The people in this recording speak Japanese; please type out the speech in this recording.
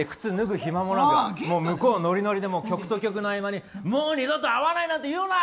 暇もなくもう向こうノリノリで、曲の間にもう二度と会わないなんて言うなよ！